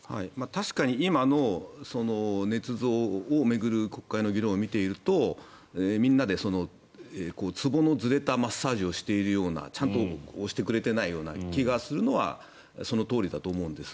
確かに今のねつ造を巡る国会の議論を見ているとみんなで、ツボのずれたマッサージをしているようなちゃんと押してくれてないような気がするのはそのとおりだと思うんです。